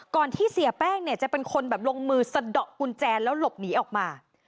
ที่เสียแป้งเนี่ยจะเป็นคนแบบลงมือสะดอกกุญแจแล้วหลบหนีออกมา